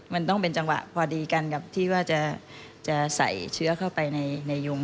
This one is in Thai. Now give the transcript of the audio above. มันต้องเป็นจังหวะพอดีกันกับที่ว่าจะใส่เชื้อเข้าไปในยุง